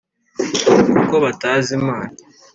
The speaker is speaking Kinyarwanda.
kuko batazi imana